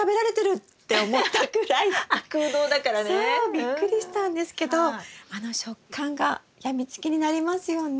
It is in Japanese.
びっくりしたんですけどあの食感が病みつきになりますよね。